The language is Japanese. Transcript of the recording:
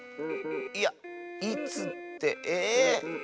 いやいつってええ？